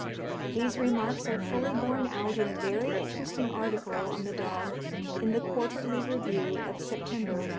These remarks are fully borne out in a very interesting article on the dog in the "Quarterly Review" of September, 1843.